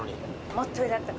もっと上だったかな？